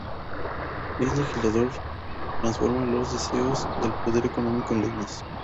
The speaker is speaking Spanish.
el legislador transforma los deseos del poder económico en leyes